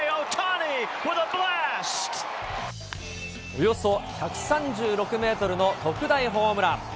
およそ１３６メートルの特大ホームラン。